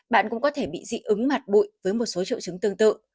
bạn cũng có thể bị dị ứng mặt bụi với một số triệu chứng tương tự